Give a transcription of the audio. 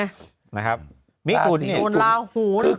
ราศีโดนราหู